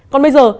còn bây giờ